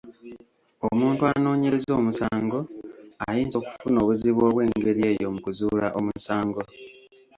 Omuntu anoonyereza omusango, ayinza okufuna obuzibu obw'engeri eyo mu kuzuula omusango.